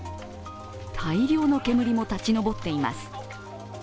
大量の煙も立ち上っています。